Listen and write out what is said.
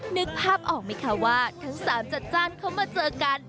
นึกภาพออกไหมคะว่าทั้งสามจัดจ้านเขามาเจอกัน